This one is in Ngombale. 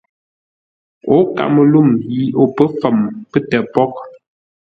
O kaməluŋ yi o pə̌ fəm pətə́ pôghʼ.